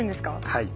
はい。